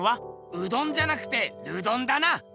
うどんじゃなくてルドンだな！